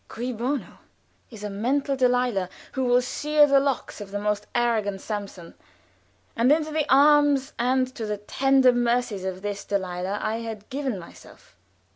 Cui bono? is a mental Delilah who will shear the locks of the most arrogant Samson. And into the arms and to the tender mercies of this Delilah I had given myself.